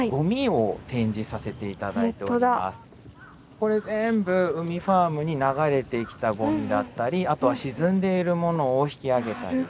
これ全部うみファームに流れてきたゴミだったりあとは沈んでいるものを引き揚げたりしたゴミなんですね。